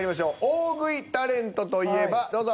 「大食いタレント」といえばどうぞ。